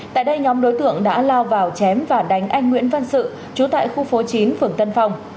tại đây nhóm đối tượng đã lao vào chém và đánh anh nguyễn văn sự chú tại khu phố chín phường tân phong